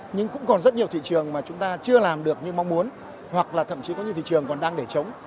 nhưng cũng còn rất nhiều thị trường mà chúng ta chưa làm được như mong muốn hoặc là thậm chí có những thị trường còn đang để chống